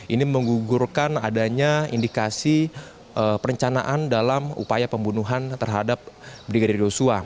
ini menggugurkan adanya indikasi perencanaan dalam upaya pembunuhan terhadap brigadir yosua